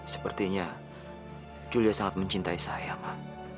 sepertinya julia sangat mencintai saya